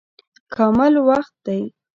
کامل وخت دی.